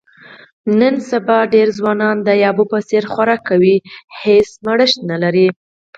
نن سبا ډېری ځوانان د یابو په څیر خوراک کوي، هېڅ مړښت نه لري.